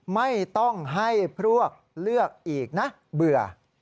ไม่ต้องให้พวกเลือกอีกนะเบื่อ